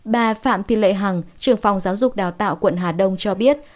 bà phạm thị lệ hằng trưởng phòng giáo dục đào tạo quận hà đông cho biết